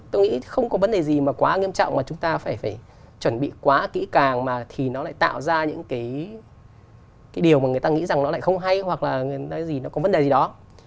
tôi nghĩ không có vấn đề gì mà quá nghiêm trọng mà chúng ta phải chuẩn bị quá kỹ càng mà thì nó lại tạo ra những cái điều mà người ta nghĩ rằng nó lại không hay hoặc là cái gì nó có vấn đề gì đó